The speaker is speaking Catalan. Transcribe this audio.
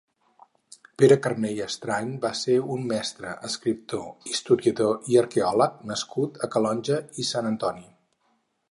Pere Caner i Estrany va ser un mestre, escriptor, historiador i arqueòleg nascut a Calonge i Sant Antoni.